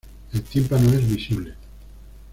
El tímpano es visible.